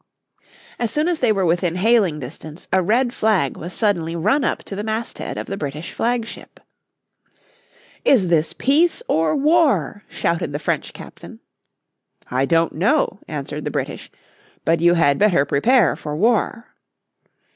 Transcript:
As soon as they were within hailing distance a red flag was suddenly run up to the masthead of the British flagship. "Is this peace or war?" shouted the French captain. "I don't know," answered the British, "But you had better prepare for war."